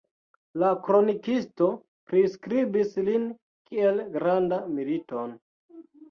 La kronikisto priskribis lin kiel granda militon.